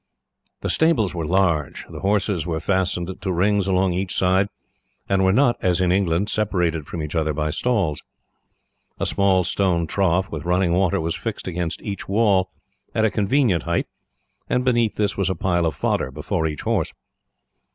The stables were large. The horses were fastened to rings along each side, and were not, as in England, separated from each other by stalls. A small stone trough, with running water, was fixed against each wall at a convenient height, and beneath this was a pile of fodder before each horse.